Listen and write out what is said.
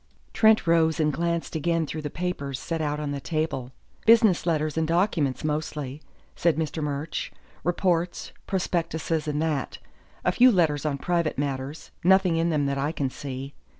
Trent rose and glanced again through the papers set out on the table. "Business letters and documents, mostly," said Mr. Murch. "Reports, prospectuses, and that. A few letters on private matters, nothing in them that I can see.